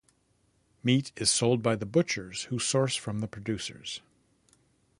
Meat is sold by the butchers who source from the producers.